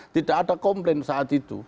tidak ada komplain saat itu